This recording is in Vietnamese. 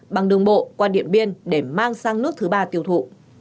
bằng đường bộ qua điện biên để mang sang nước thứ ba tiêu thụ